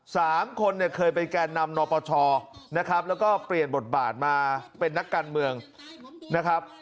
สามคนเนี่ยเคยเป็นแก่นำนปชนะครับแล้วก็เปลี่ยนบทบาทมาเป็นนักการเมืองนะครับ